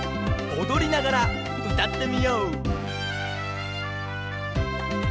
おどりながらうたってみよう！